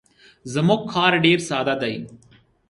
زموږ کار ډیر ساده دی.